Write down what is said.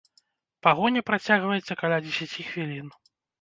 Пагоня працягваецца каля дзесяці хвілін.